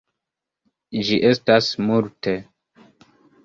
Ĝi estas multe.